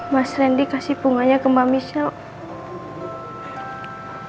mas randy kasih bunganya ke mbak missil